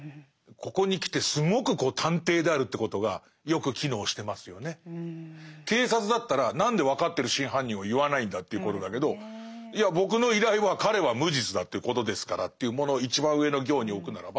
ここにきてすごく警察だったら何で分かってる真犯人を言わないんだっていうことだけどいや僕の依頼は彼は無実だということですからというものを一番上の行に置くならば。